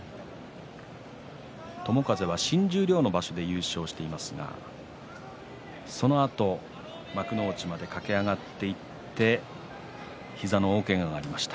友風は新十両の場所で優勝していますがそのあと、幕内まで駆け上がっていって左の膝の大けががありました。